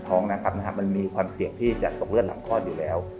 ท้องนะครับมันมีความเสี่ยงที่จะตกเลือดหลังคลอดอยู่แล้ว